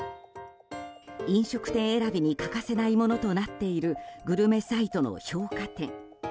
飲食店選びに欠かせないものとなっているグルメサイトの評価点。